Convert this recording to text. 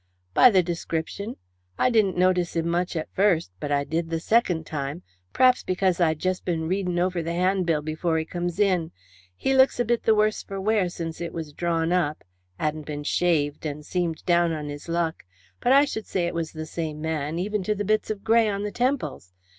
"By the description. I didn't notice him much at first, but I did the second time, perhaps because I'd just been reading over the 'andbill before he come in. He looks a bit the worse for wear since it was drawn up hadn't been shaved and seemed down on his luck but I should say it was the same man, even to the bits of grey on the temples.